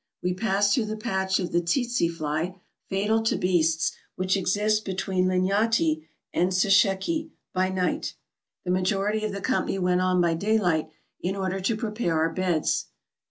We passed through the patch of the tsetse fly, fatal to beasts, which exists between Linyanti and Sesheke, by night. The majority of the company went on by day light, in order to prepare our beds.